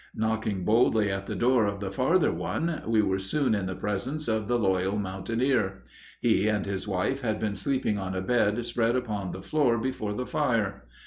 Knocking boldly at the door of the farther one, we were soon in the presence of the loyal mountaineer. He and his wife had been sleeping on a bed spread upon the floor before the fire.